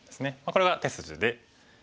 これが手筋で。